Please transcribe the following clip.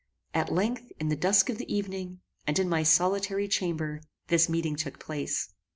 At length, in the dusk of the evening, and in my solitary chamber, this meeting took place.